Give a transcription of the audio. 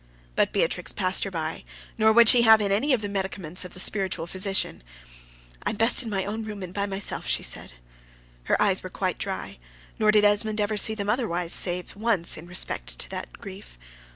But Beatrix passed her by, nor would she have any of the medicaments of the spiritual physician. "I am best in my own room and by myself," she said. Her eyes were quite dry; nor did Esmond ever see them otherwise, save once, in respect to that grief.